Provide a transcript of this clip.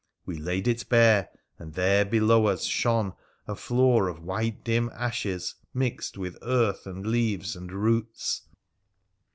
We laid it bare, and there below us shone a floor of white dim ashes, mixed with earth, and leaves, and roots.